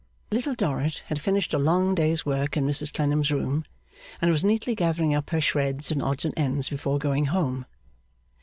Little Dorrit had finished a long day's work in Mrs Clennam's room, and was neatly gathering up her shreds and odds and ends before going home.